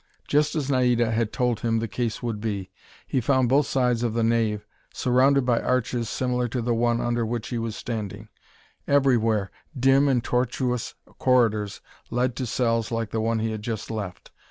Just as Naida had told him the case would be, he found both sides of the nave surrounded by arches similar to the one under which he was standing. Everywhere, dim and tortuous corridors led to cells like the one he had just left.